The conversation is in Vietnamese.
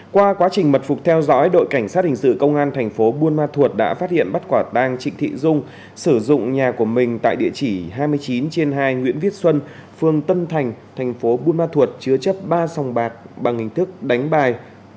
qua quá trình mật phục theo dõi đội cảnh sát hình sự công an thành phố buôn ma thuột đã phát hiện bắt quả tang trịnh thị dung sử dụng nhà của mình tại địa chỉ hai mươi chín trên hai nguyễn viết xuân phường tân thành thành phố buôn ma thuột chứa chấp ba sòng bạc bằng hình thức đánh bài